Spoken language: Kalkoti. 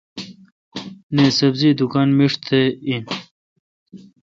نہ ۔سبزی دکان میݭ تہ این۔